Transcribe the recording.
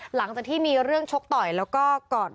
หลังจากที่มีเรื่องชกต่อยแล้วก็ก่อนรัดฟัดเหวี่ยงกัน